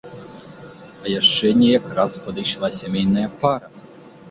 А яшчэ неяк раз падышла сямейная пара.